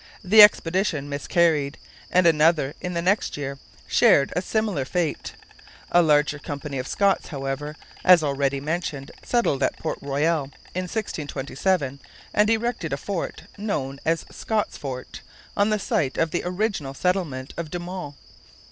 The expedition miscarried; and another in the next year shared a similar fate. A larger company of Scots, however, as already mentioned, settled at Port Royal in 1627 and erected a fort, known as Scots Fort, on the site of the original settlement of De Monts.